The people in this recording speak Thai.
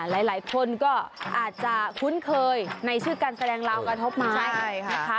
หลายคนก็อาจจะคุ้นเคยในชื่อการแสดงลาวกระทบมานะคะ